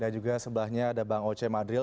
dan juga sebelahnya ada bang oce madril